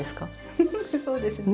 フフフそうですね。